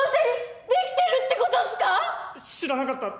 知らなかった。